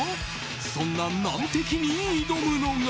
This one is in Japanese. そんな難敵に挑むのが。